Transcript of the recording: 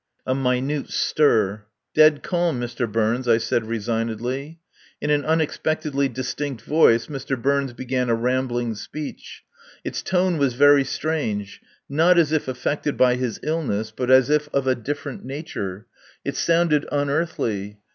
A minute stir. "Dead calm, Mr. Burns," I said resignedly. In an unexpectedly distinct voice Mr. Burns began a rambling speech. Its tone was very strange, not as if affected by his illness, but as if of a different nature. It sounded unearthly.